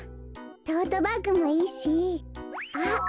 トートバッグもいいしあっ